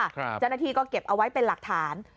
เจ้าหน้าที่ก็เก็บเอาไว้เป็นหลักฐาน